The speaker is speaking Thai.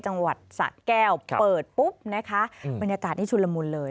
จังหวัดสะแก้วเปิดปุ๊บนะคะบรรยากาศนี้ชุนละมุนเลย